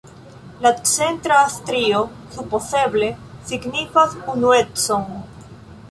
La centra strio supozeble signifas unuecon.